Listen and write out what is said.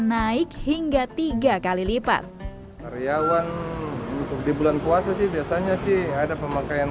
naik hingga tiga kali lipat karyawan untuk di bulan puasa sih biasanya sih ada pemakaian